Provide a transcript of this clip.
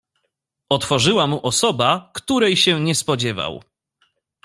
"Otworzyła mu osoba, której się nie spodziewał."